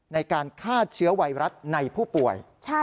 ในการฆ่าเชื้อไวรัสในผู้ป่วย